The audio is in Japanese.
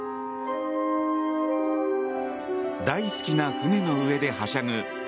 大好きな船の上ではしゃぐ